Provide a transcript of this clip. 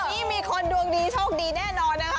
วันนี้มีคนดวงดีโชคดีแน่นอนนะคะ